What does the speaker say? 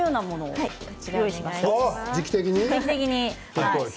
時期的に？